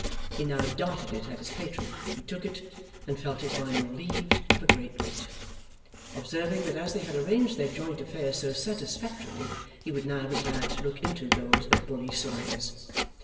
He now darted it at his patron, who took it, and felt his mind relieved of a great weight: observing that as they had arranged their joint affairs so satisfactorily, he would now be glad to look into those of Bully Sawyers.